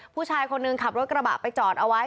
ผู้ชายคนหนึ่งขับรถกระบะไปจอดเอาไว้